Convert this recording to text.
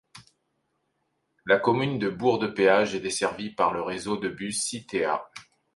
La commune de Bourg-de-Péage est desservie par le réseau de bus Citéa.